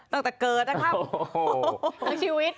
ตั้งแต่เกิดนะครับ